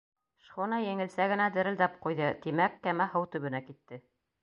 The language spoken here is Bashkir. Шхуна еңелсә генә дерелдәп ҡуйҙы, тимәк, кәмә һыу төбөнә китте.